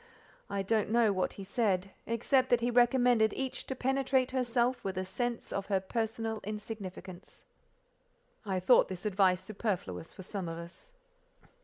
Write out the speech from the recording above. I don't know what he said, except that he recommended each to penetrate herself with a sense of her personal insignificance. God knows I thought this advice superfluous for some of us.